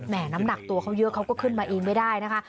น้ำหนักตัวเขาเยอะเขาก็ขึ้นมาเองไม่ได้นะคะ